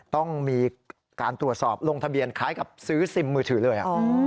ต้องมีการตรวจสอบลงทะเบียนคล้ายกับซื้อซิมมือถือเลย